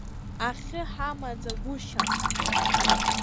Ахьы ҳамаӡагәышьам!